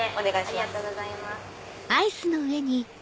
ありがとうございます。